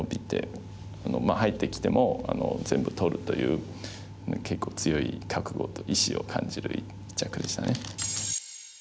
入ってきても全部取るという結構強い覚悟と意志を感じる一着でしたね。